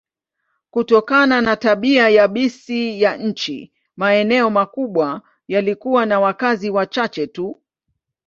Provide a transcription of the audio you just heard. Kutokana na tabia yabisi ya nchi, maeneo makubwa yalikuwa na wakazi wachache tu.